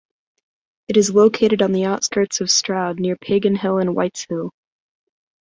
It is located on the outskirts of Stroud near Paganhill and Whiteshill.